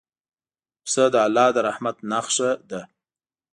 پسه د الله د رحمت نښه ده.